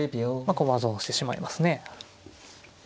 駒損をしてしまいますね。